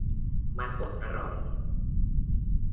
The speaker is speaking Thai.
มันบดอร่อย